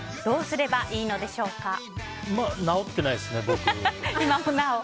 どうすればいいのでしょうか。